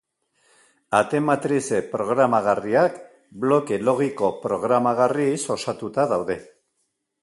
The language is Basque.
Ate-matrize programagarriak bloke logiko programagarriz osatuta daude.